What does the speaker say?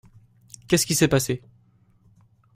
Qu’est-ce qui s’est passé ?